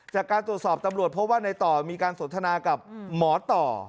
จากการตรวจสอบตำรวจพบว่าในต่อมีการสนทนากับหมอต่อ